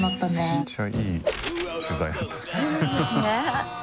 めっちゃいい取材だったね ねぇ。